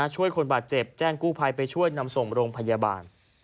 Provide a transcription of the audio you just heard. ช่วยคนบาดเจ็บแจ้งกู้ภัยไปช่วยนำส่งโรงพยาบาล